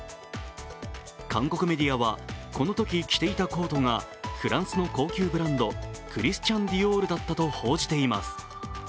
韓国メディアはこのとき着ていたコートがフランスの高級ブランド、クリスチャン・ディオールだったと報じています。